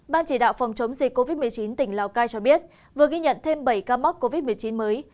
ban chỉ đạo phòng chống dịch covid một mươi chín tỉnh lào cai cho biết vừa ghi nhận thêm bảy ca mắc covid một mươi chín mới